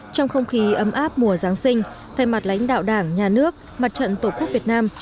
trong không khí ấm áp mùa giáng sinh thay mặt lãnh đạo đảng nhà nước mặt trận tổ quốc việt nam